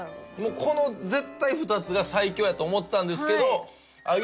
この絶対２つが最強やと思ってたんですけどあげ